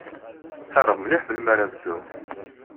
Ḥareɣ mliḥ melmi ara bduɣ.